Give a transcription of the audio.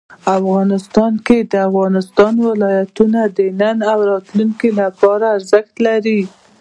افغانستان کې د افغانستان ولايتونه د نن او راتلونکي لپاره ارزښت لري.